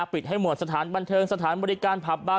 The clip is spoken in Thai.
ปิดให้หมดสถานบันเทิงสถานบริการผับบาร์